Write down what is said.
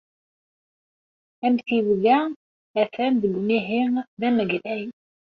Amtiweg-a atan deg umihi d amaglay.